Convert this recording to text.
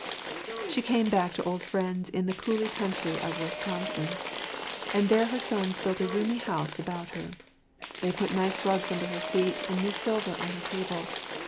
She came back to old friends in “the Coolly Country of Wisconsin,” and there her sons built a roomy house about her. They put nice rugs under her feet and new silver on her table.